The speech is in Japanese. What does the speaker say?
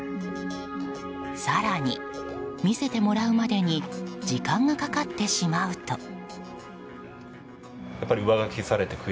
更に、見せてもらうまでに時間がかかってしまうと。